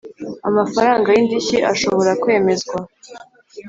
amafaranga y indishyi ashobora kwemezwa